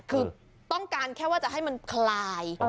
คือต้องการแค่ว่าจะให้มันคลาย